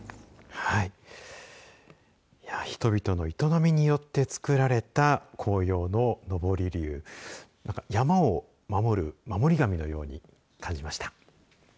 人々の営みによって作られた紅葉ののぼり龍山を守る守り神のように感じました。